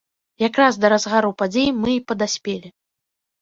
Якраз да разгару падзей мы і падаспелі.